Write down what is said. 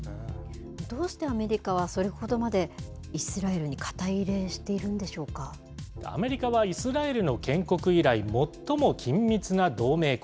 どうしてアメリカはそれほどまでイスラエルに肩入れしているアメリカはイスラエルの建国以来、最も緊密な同盟国。